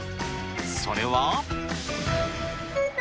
それは。